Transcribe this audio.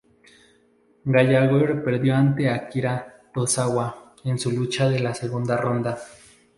Gallagher perdió ante Akira Tozawa en su lucha de la segunda ronda.